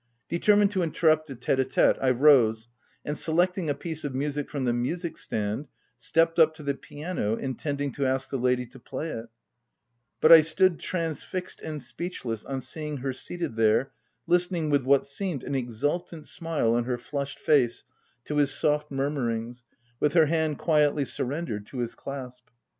De termined to interrupt the tete a tete, I rose, and selecting a piece of music from the music stand, stepped up to the piano, intending to ask the lady to play it ; but I stood transfixed and speechless on seeing her seated there, listening with what seemed an exultant smile on her flushed face, to his soft murmurings, with her hand quietly surrendered to his clasp.